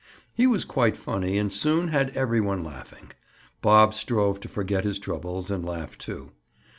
He was quite funny and soon had every one laughing. Bob strove to forget his troubles and laugh too.